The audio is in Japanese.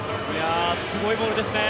すごいボールですね。